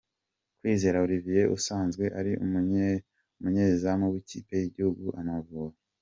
Kwizera Olivier usanzwe ari umunyezamu w’ikipe y’igihugu Amavubi